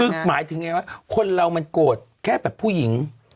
คือหมายถึงไงว่าคนเรามันโกรธแค่แบบผู้หญิง